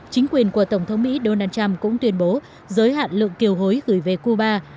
chính quyền của tổng thống mỹ donald trump cũng tuyên bố giới hạn lượng kiều hối gửi về cuba